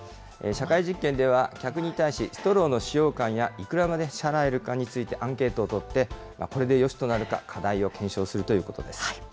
社会実験では客に対し、ストローの使用感や、いくらまで支払えるかについてアンケートを取って、これでよしとなるか、課題を検証するということです。